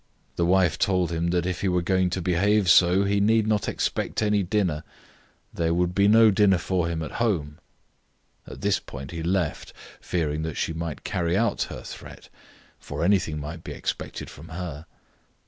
The wife told him that if he were going to behave so, he need not expect any dinner; there would be no dinner for him at home. At this point he left, fearing that she might carry out her threat, for anything might be expected from her.